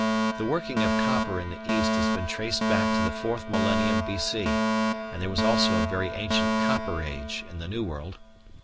The working of copper in the East has been traced back to the fourth millennium B.C., and there was also a very ancient Copper Age in the New World.